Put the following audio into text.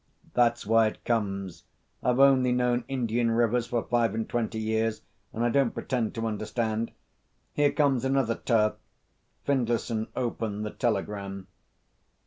"That's why it comes. I've only known Indian rivers for five and twenty years, and I don't pretend to understand. Here comes another tar." Findlayson opened the telegram.